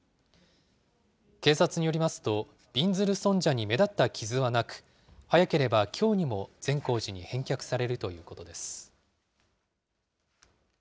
警察によりますと、びんずる尊者に目立った傷はなく、早ければきょうにも善光寺に返却されるということです。